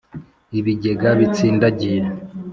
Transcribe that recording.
ibigega bitsindagiye